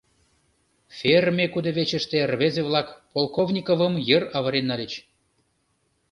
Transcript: Ферме кудывечыште рвезе-влак Полковниковым йыр авырен нальыч.